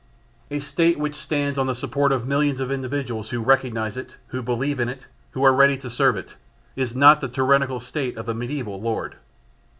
A State which stands on the support of millions of individuals who recognise it, who believe in it, who are ready to serve it, is not the tyrannical State of the mediaeval lord.